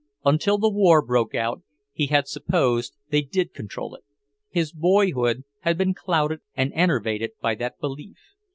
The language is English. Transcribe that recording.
Until the war broke out, he had supposed they did control it; his boyhood had been clouded and enervated by that belief.